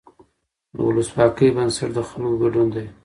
د ولسواکۍ بنسټ د خلکو ګډون دی